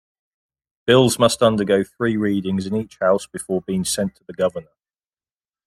Bills must undergo three readings in each house before being sent to the governor.